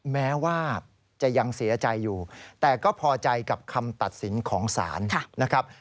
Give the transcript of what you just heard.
แม้ว่าจะยังเสียใจอยู่แต่ก็พอใจกับคำตัดสินของศาลนะครับ